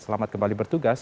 selamat kembali bertugas